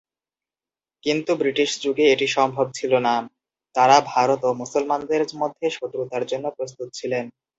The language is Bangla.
কিন্তু ব্রিটিশ যুগে এটি সম্ভব ছিল না, তারা ভারত ও মুসলমানদের মধ্যে শত্রুতার জন্য প্রস্তুত ছিলেন।